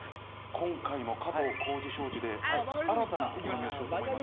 今回も加藤浩次商事で、新たな試みをしようと思います。